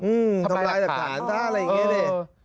อืมทำร้ายหลักฐานอะไรอย่างนี้เลย